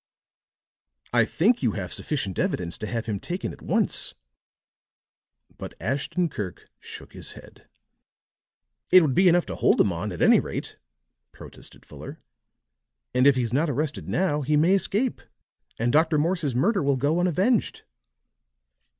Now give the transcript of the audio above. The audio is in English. "I think you have sufficient evidence to have him taken at once." But Ashton Kirk shook his head. "It would be enough to hold him on, at any rate," protested Fuller. "And if he's not arrested now, he may escape, and Dr. Morse's murder will go unavenged."